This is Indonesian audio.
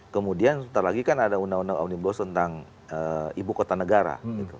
kemudian sebentar lagi kan ada undang undang omnibus tentang ibu kota negara